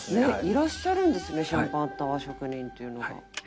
いらっしゃるんですねシャンパンタワー職人というのが。